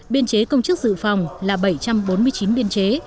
biên chế công chức dự phòng là bảy trăm bốn mươi chín biên chế